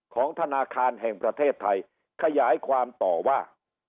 ของธนาคารแห่งประเทศไทยขยายความต่อว่า